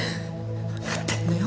わかってんのよ。